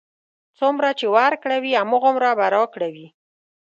څومره چې ورکړه وي، هماغومره به راکړه وي.